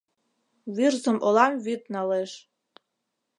Вӱрзым олам вӱд налеш.